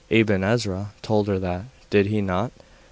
Aben Ezra told her that, did he not?